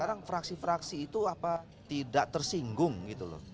sekarang fraksi fraksi itu tidak tersinggung gitu loh